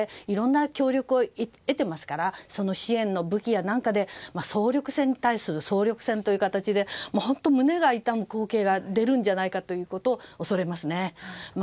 いろんな協力を得ていますからその支援の武器などで総力戦に対する総力戦の形で本当胸が痛む光景が出るんじゃないかということを恐れますね。